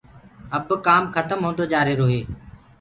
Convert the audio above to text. اب ڪو کتم هوندو جآرهيرو هي۔